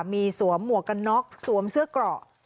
มีสวมหมวกกันน็อกสวมเสื้อเกราะ